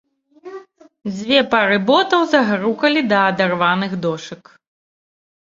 Дзве пары ботаў загрукалі да адарваных дошак.